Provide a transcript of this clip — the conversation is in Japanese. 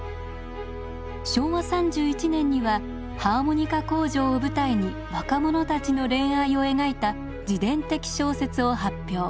昭和３１年にはハーモニカ工場を舞台に若者たちの恋愛を描いた自伝的小説を発表。